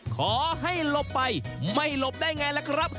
ขอให้หลบไปไม่หลบได้ไงล่ะครับ